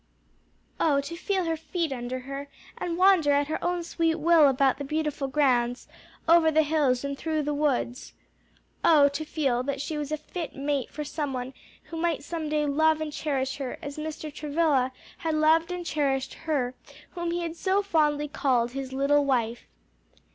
Oh to feel her feet under her and wander at her own sweet will about the beautiful grounds, over the hills and through the woods! Oh to feel that she was a fit mate for some one who might some day love and cherish her as Mr. Travilla had loved and cherished her whom he so fondly called his "little wife!"